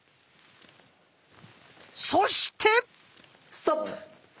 そして！